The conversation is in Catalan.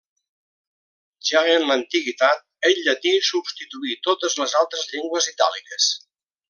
Ja en l'antiguitat, el llatí substituí totes les altres llengües itàliques.